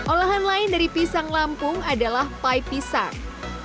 olahan lain dari pisang lampung adalah pie pisang